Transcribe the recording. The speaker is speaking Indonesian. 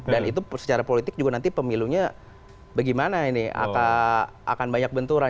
dan itu secara politik juga nanti pemilunya bagaimana ini akan banyak benturan